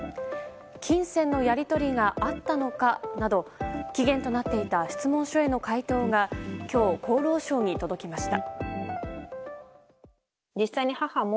金銭のやり取りがあったのかなど期限となっていた質問書への回答が今日、厚労省に届きました。